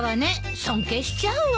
尊敬しちゃうわ。